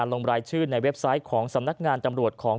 แล้วนะครับ